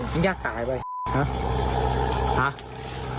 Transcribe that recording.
นี่ยากตายไปฮะ